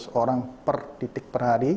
seratus orang per titik per hari